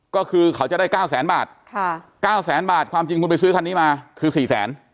ก็คือเขาจะได้๙๐๐๐๐๐บาท๙๐๐๐๐๐บาทความจริงคุณไปซื้อคันนี้มาคือ๔๐๐๐๐๐